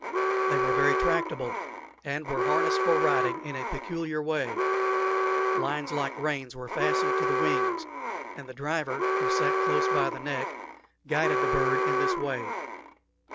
They were very tractable, and were harnessed for riding in a peculiar way; lines like reins were fastened to the wings, and the driver, who sat close by the neck, guided the bird in this way.